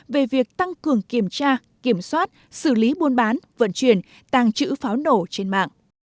về việc tăng cường kiểm tra kiểm soát xử lý buôn bán vận chuyển tàng trữ pháo nổ trên mạng